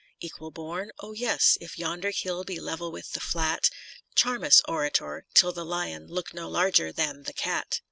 Equal born ? O yes, if yonder hill be level with the flat. Charm us, Orator, till the Lion look no larger than the Cat.